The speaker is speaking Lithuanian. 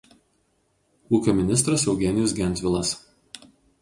Ūkio ministras Eugenijus Gentvilas